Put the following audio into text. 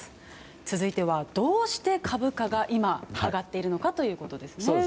続いては、どうして株価が今、上がっているのかですね。